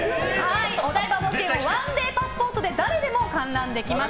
お台場冒険王ワンデーパスポートで誰でも観覧できます。